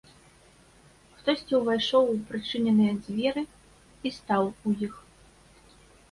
Хтосьці ўвайшоў у прычыненыя дзверы і стаў у іх.